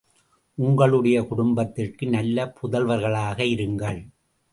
உங்களுடைய குடும்பத்திற்கு நல்ல புதல்வர்களாக இருங்கள்!